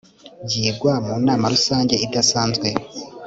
byigwa mu nama rusange idasanzwe